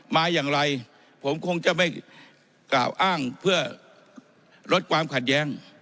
มาอย่างไรผมคงจะไม่กล่าวอ้างเพื่อลดความขัดแย้ง